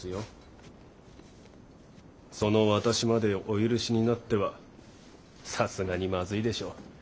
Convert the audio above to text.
その私までお許しになってはさすがにまずいでしょう。